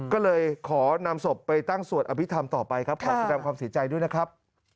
ก็เลยขอนำศพไปตั้งสวดอภิษฐรรมต่อไปครับขอแสดงความเสียใจด้วยนะครับ